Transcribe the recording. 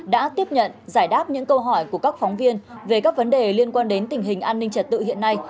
đã tiếp nhận giải đáp những câu hỏi của các phóng viên về các vấn đề liên quan đến tình hình an ninh trật tự hiện nay